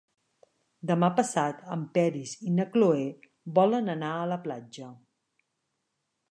Demà passat en Peris i na Cloè volen anar a la platja.